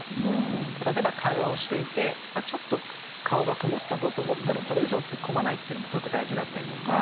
例えば、会話していてちょっと顔が曇ったぞと思ったらそれ以上突っ込まないということも大切です。